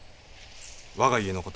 我が家の事